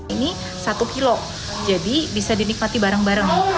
ini satu kilo jadi bisa dinikmati bareng bareng